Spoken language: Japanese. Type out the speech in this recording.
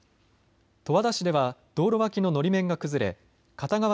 十和田市では道路脇ののり面が崩れ片側